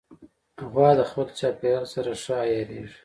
غوا د خپل چاپېریال سره ښه عیارېږي.